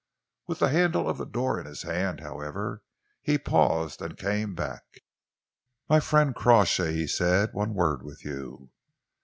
With the handle of the door in his hand, however, he paused and came back. "My friend Crawshay," he said, "one word with you."